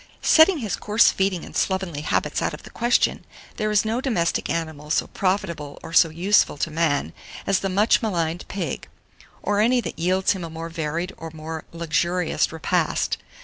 771. SETTING HIS COARSE FEEDING AND SLOVENLY HABITS OUT OF THE QUESTION, there is no domestic animal so profitable or so useful to man as the much maligned pig, or any that yields him a more varied or more luxurious repast.